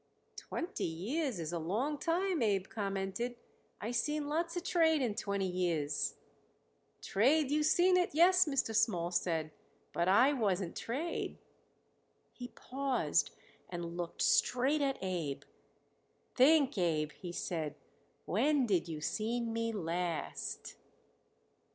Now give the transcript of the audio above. "Twenty years is a long time," Abe commented. "I seen lots of trade in twenty years." "Trade you seen it, yes," Mr. Small said, "but I wasn't trade." He paused and looked straight at Abe. "Think, Abe," he said. "When did you seen me last?"